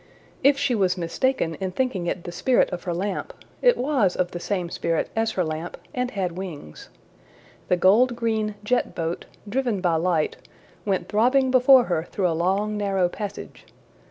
If she was mistaken in thinking it the spirit of her lamp, it was of the same spirit as her lamp and had wings. The gold green jet boat, driven by light, went throbbing before her through a long narrow passage.